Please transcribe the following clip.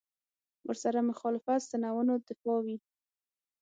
ورسره مخالفت سنتونو دفاع وي.